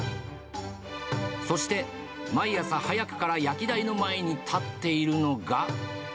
そして、毎朝早くから焼き台の前に立っているのが。